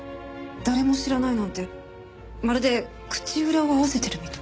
誰も知らないなんてまるで口裏を合わせてるみたい。